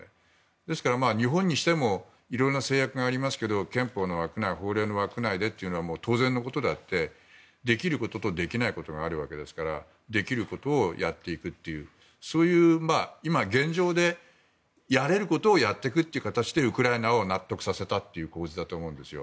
ですから、日本にしても色々な制約がありますが憲法の枠内法令の枠内でというのは当然のことであってできることとできないことがあるわけですからできることをやっていくというそういう現状でやれることをやっていくという形でウクライナを納得させたという構図だと思うんですよ。